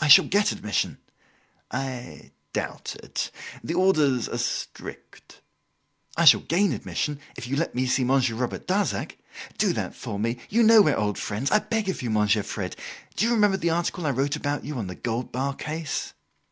"I shall get admission." "I doubt it. The orders are strict." "I shall gain admission, if you let me see Monsieur Robert Darzac. Do that for me. You know we are old friends. I beg of you, Monsieur Fred. Do you remember the article I wrote about you on the gold bar case?"